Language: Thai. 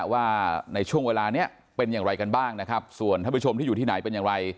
ว่าในช่วงเวลานี้เป็นอย่างไรกันบ้างนะครับส่วนท่านผู้ชมที่อยู่ที่ไหนเป็นอย่างไร